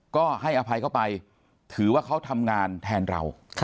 ก็ให้อภัยเข้าไปถือว่าเขาทำงานแทนเรา